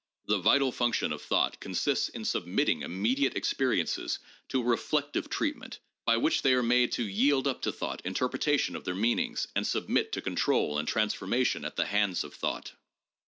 The vital function of thought consists in submitting immediate experiences to a reflective treatment by which they are made to yield up to thought interpretation of their meanings and submit to control and transformation at the hands of thought.